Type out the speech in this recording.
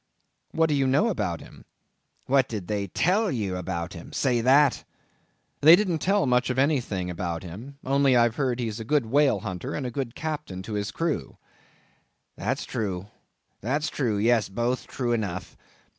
"What do you know about him?" "What did they tell you about him? Say that!" "They didn't tell much of anything about him; only I've heard that he's a good whale hunter, and a good captain to his crew." "That's true, that's true—yes, both true enough.